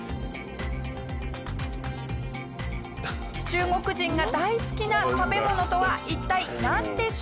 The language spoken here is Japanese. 中国人が大好きな食べ物とは一体なんでしょう？